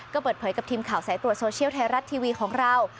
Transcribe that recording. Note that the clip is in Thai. ก็เปิดเผยกับทีมข่าวสายตรวจโซเชียลไทยรัฐทีวีของเรา